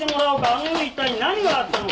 あの夜一体何があったのか。